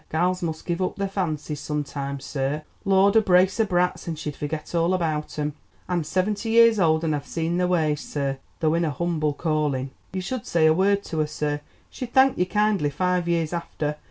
Gals must give up their fancies sometimes, sir. Lord! a brace of brats and she'd forget all about 'em. I'm seventy years old and I've seen their ways, sir, though in a humble calling. You should say a word to her, sir; she'd thank you kindly five years after.